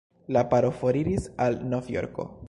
La paro foriris al Novjorko.